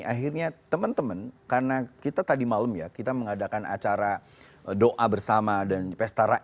akhirnya teman teman karena kita tadi malam ya kita mengadakan acara doa bersama dan pesta rakyat